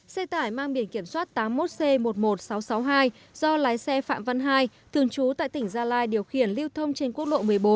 xe tải mang biển kiểm soát tám mươi một c một mươi một nghìn sáu trăm sáu mươi hai do lái xe phạm văn hai thường trú tại tỉnh gia lai điều khiển lưu thông trên quốc lộ một mươi bốn